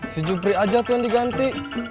si jupri aja tuh yang diganti